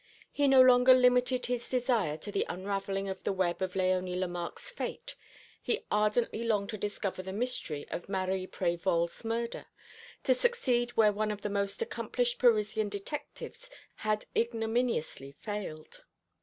He no longer limited his desire to the unravelling of the web of Léonie Lemarque's fate; he ardently longed to discover the mystery of Marie Prévol's murder to succeed where one of the most accomplished Parisian detectives had ignominiously failed.